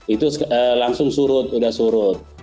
itu langsung surut sudah surut